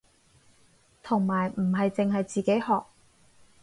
同埋唔係淨係自己學